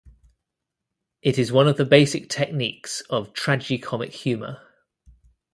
It is one of the basic techniques of tragicomic humour.